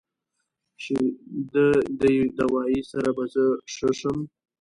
چې د دې دوائي سره به زۀ ښۀ شم